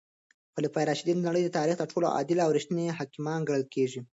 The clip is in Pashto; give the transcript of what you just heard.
خلفای راشدین د نړۍ د تاریخ تر ټولو عادل او رښتیني حاکمان ګڼل کیږي.